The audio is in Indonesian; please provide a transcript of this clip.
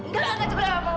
udah gak cukup mama